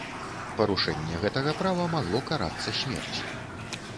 Парушэнне гэтага права магло карацца смерцю.